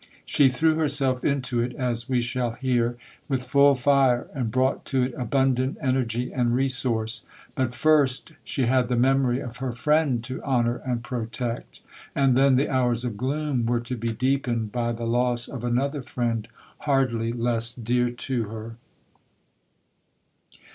She threw herself into it, as we shall hear, with full fire, and brought to it abundant energy and resource. But first she had the memory of her friend to honour and protect; and then the hours of gloom were to be deepened by the loss of another friend hardly less dear to her.